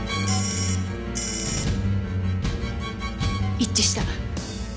一致した。